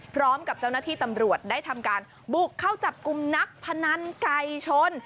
พร้อมกับเจ้าหน้าที่ตำรวจได้ทำการบุกเข้าจับกลุ่มนักพนันไก่ชน